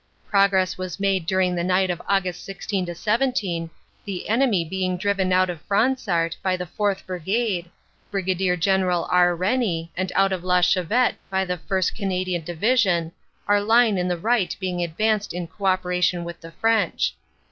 Progress was made during the night of Aug. 16 17, the enemy being driven out of Fransart by the 4th. Brigade, Brig. General R. Rennie, and out of La Chavette by the 1st. Canadian Division, our line on the right being advanced in co operation with the French.